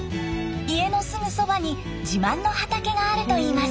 家のすぐそばに自慢の畑があるといいます。